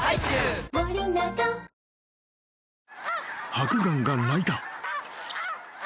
［ハクガンが鳴いた］